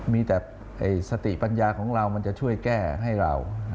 มีแต่สติปัญญาของเรามันจะช่วยแก้ให้เรา